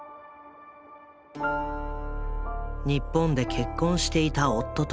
日本で結婚していた夫と離婚。